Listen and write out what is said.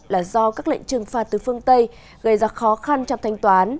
là do các lệnh trừng phạt từ phương tây gây ra khó khăn trong thanh toán